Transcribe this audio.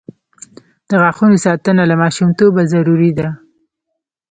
د غاښونو ساتنه له ماشومتوبه ضروري ده.